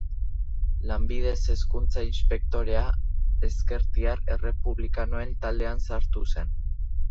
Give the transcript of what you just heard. Lanbidez hezkuntza-inspektorea, ezkertiar errepublikanoen taldean sartu zen.